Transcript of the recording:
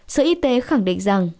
sở y tế khẳng định